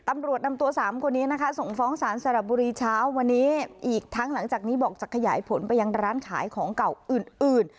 ตำรวจนำตัวสามคนนี้นะคะส่งฟ้องสารสระบุรีเช้าวันนี้อีกทั้งหลังจากนี้บอกจะขยายผลไปยังร้านขายของเก่าอื่นอื่น